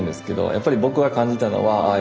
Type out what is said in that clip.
やっぱり僕が感じたのはああ